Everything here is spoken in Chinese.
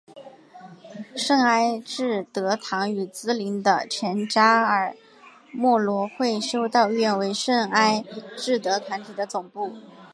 圣艾智德堂与毗邻的前加尔默罗会修道院为圣艾智德团体的总部。